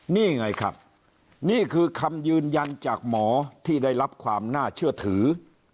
นี่ไงครับนี่คือคำยืนยันจากหมอที่ได้รับความน่าเชื่อถือ